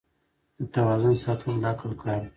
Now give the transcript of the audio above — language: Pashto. د توازن ساتل د عقل کار دی.